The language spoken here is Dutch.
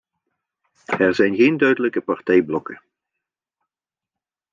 Er zijn geen duidelijke partijblokken.